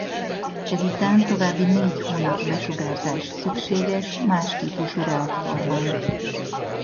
Ezután további négy hónap besugárzás szükséges más típusú reaktorban.